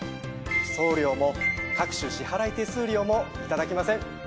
送料も各種支払い手数料もいただきません。